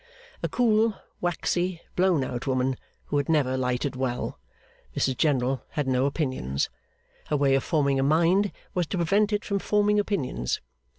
A cool, waxy, blown out woman, who had never lighted well. Mrs General had no opinions. Her way of forming a mind was to prevent it from forming opinions.